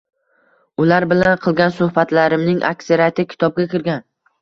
Ular bilan qilgan suhbatlarimning aksariyati kitobga kirgan